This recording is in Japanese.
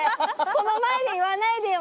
この前で言わないでよ